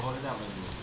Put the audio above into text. menu favoritnya apa itu